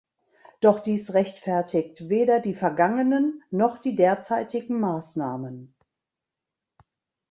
Doch dies rechtfertigt weder die vergangenen noch die derzeitigen Maßnahmen.